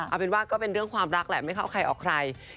เอาเป็นว่าก็เป็นเรื่องความรักแหละไม่เข้าใครออกใคร